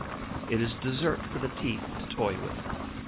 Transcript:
It is a dessert for the teeth to toy with.